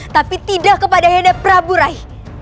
tapi tidak kepada anda prabu rai